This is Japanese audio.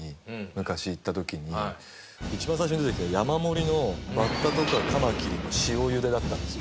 一番最初に出てきたのが山盛りのバッタとかカマキリの塩茹でだったんですよ。